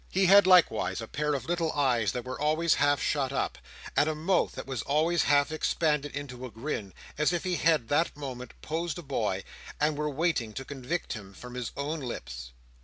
He had likewise a pair of little eyes that were always half shut up, and a mouth that was always half expanded into a grin, as if he had, that moment, posed a boy, and were waiting to convict him from his own lips.